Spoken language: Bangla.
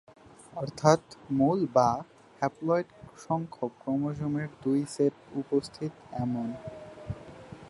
অর্থাৎ মূল বা হ্যাপ্লয়েড সংখ্যক ক্রোমোজোমের দুই সেট উপস্থিত এমন।